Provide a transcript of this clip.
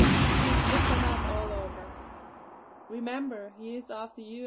He is diplomat all over. Remember he is of the U.